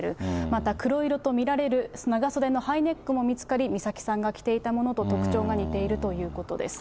また黒色と見られる長袖のハイネックも見つかり、美咲さんが着ていたものと特徴が似ているということです。